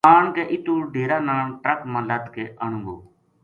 آن کے اِتوں ڈیرا نا ٹرک ما لد کے آنوں گو